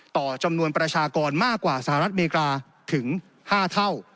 ต่อจำนวนประชากรมากกว่าสหรัฐอเมริกาถึง๕เท่า